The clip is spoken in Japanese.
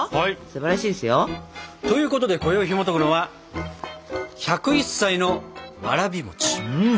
すばらしいですよ。ということでこよいひもとくのは「１０１歳のわらび餅」。